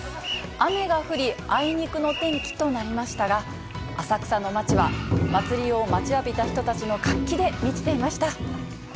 雨が降り、あいにくの天気となりましたが、浅草の街は、祭りを待ちわびた人たちの活気で満ちていました。